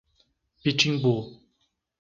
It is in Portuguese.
Pitimbu